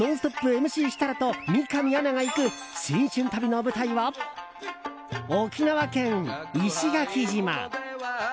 ＭＣ設楽と三上アナが行く新春旅の舞台は沖縄県石垣島。